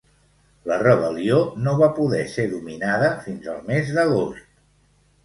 La rebel·lió no va poder ser dominada fins al mes d'agost.